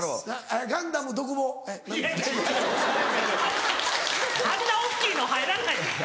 あんな大っきいの入らないです